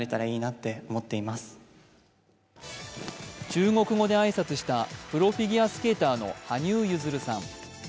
中国語で挨拶したプロフィギュアスケーターの羽生結弦さん。